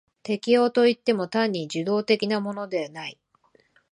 適応といっても単に受動的なものでない。